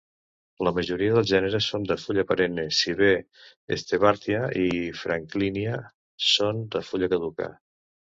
La majoria dels gèneres són de fulla perenne, si bé "Stewartia" i "Franklinia" són de fulla caduca.